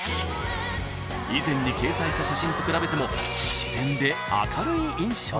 ［以前に掲載した写真と比べても自然で明るい印象に］